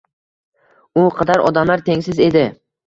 U qadar odamlar tengsiz edi.